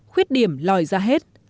khuyết điểm lòi ra hết